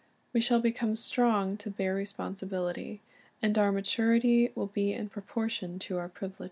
We shall become strong to bear responsibility, and our maturity will be in proportion to our privileges.